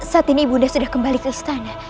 saat ini ibu nda sudah kembali ke istana